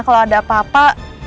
kalau ada apa apa